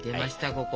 ここ。